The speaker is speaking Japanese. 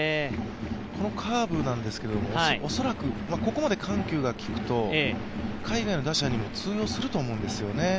このカーブなんですけど、恐らく、ここまで緩急がきくと海外の打者にも通用すると思うんですよね。